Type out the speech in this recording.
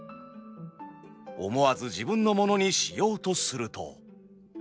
思わず自分の物にしようとすると。